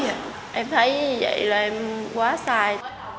em thấy như vậy là em quá sai